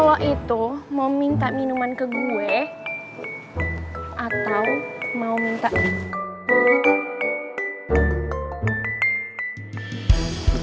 kalau itu mau minta minuman ke gue atau mau minta